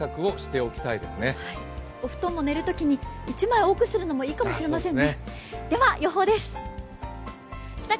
お布団も寝るときに１枚多くするのもいいかもしれませんね。